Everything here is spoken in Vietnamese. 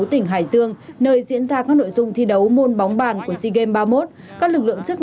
tỉnh hải dương nơi diễn ra các nội dung thi đấu môn bóng bàn của sea games ba mươi một các lực lượng chức